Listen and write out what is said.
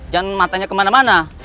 jangan matanya kemana mana